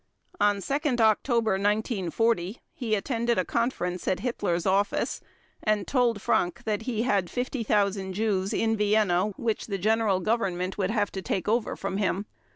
On 2 October 1940 he attended a conference at Hitler's office and told Frank that he had 50,000 Jews in Vienna which the General Government would have to take over from him.